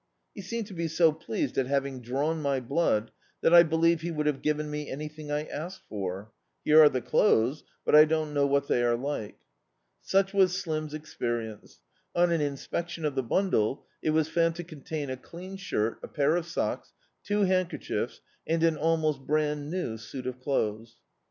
He seemed to be so pleased at having drawn my blood that I believe he would have given me anyliiing I asked for. Here are the clothes, but I don't know what they are like." Such was Slim's experience. On an inspection of the bundle it was found to contain a clean shirt, a pair of socks, two handkerchiefs, and an almost brand new suit of clothes.